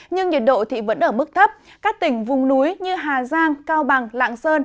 nhưng nhiệt độ thì vẫn ở mức thấp các tỉnh vùng núi như hà giang cao bằng lạng sơn